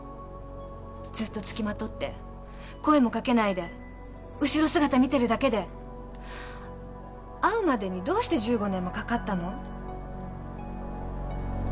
ずっと付きまとって声もかけないで後ろ姿見てるだけで会うまでにどうして１５年もかかったの？